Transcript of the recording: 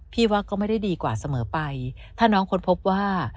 พี่ว่าก็ไม่ได้ดีกว่าเสมอไปถ้าน้องค้นพบว่า